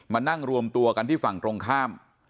มานั่งรวมตัวกันที่ฝั่งตรงข้าม